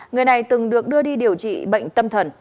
người này từng được đưa đi điều trị bệnh tâm thần